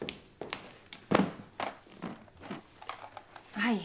はい。